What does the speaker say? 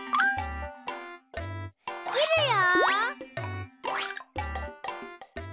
きるよ！